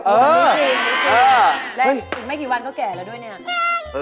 เออใช่แล้วอีกไม่กี่วันก็แก่แล้วด้วยนี่